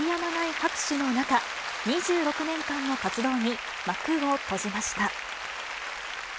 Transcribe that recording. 拍手の中、２６年間の活動に幕を閉じました。